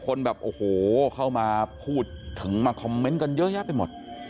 คนแบบโอ้โหเข้ามาพูดถึงมาคอมเมนต์กันเยอะแยะไปหมด